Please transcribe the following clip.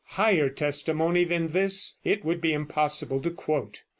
Higher testimony than this it would be impossible to quote.